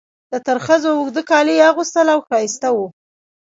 د ترخزو اوږده کالي یې اغوستل او ښایسته وو.